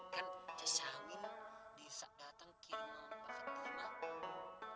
kan tasamin bisa datang kirim paka timah